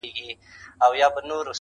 منصور دا ځلي د دې کلي ملا کړو,